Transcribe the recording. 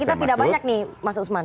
oke waktu kita tidak banyak nih mas usman